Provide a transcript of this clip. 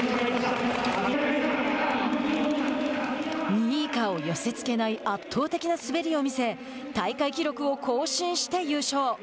２位以下を寄せつけない圧倒的な滑りを見せ大会記録を更新して優勝。